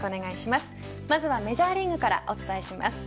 まずはメジャーリーグからお伝えします。